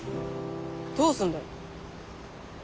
どうすんだよ？